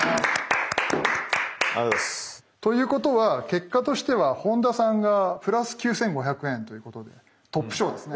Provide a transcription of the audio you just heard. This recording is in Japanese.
ということは結果としては本田さんがプラス９，５００円ということでトップ賞ですね。